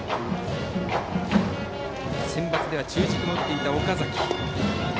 センバツでは中軸も打っていた岡崎。